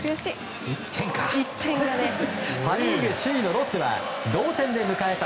パ・リーグ首位のロッテは同点で迎えた